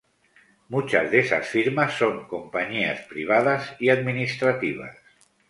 Muchas de esas firmas son compañías privadas y administrativas.